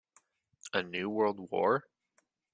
A New World War?